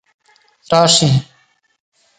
راشي